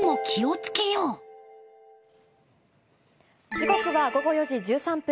時刻は午後４時１３分。